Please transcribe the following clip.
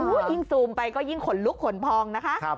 ยิ่งซูมไปก็ยิ่งขนลุกขนพองนะคะ